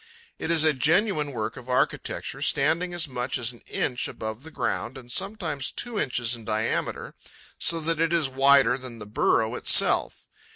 It is a genuine work of architecture, standing as much as an inch above the ground and sometimes two inches in diameter, so that it is wider than the burrow itself.